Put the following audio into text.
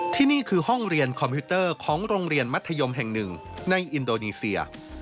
ที่นี่คือห้องเรียนคอมพิวเตอร์ของโรงเรียนมัธยมแห่งหนึ่งในอินโดนีเซีย